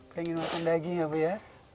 pengen makan daging ya bu ya